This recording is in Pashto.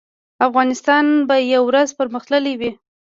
افغانستان به یو ورځ پرمختللی وي